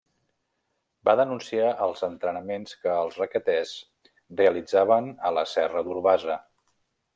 Va denunciar els entrenaments que els requetés realitzaven a la serra d'Urbasa.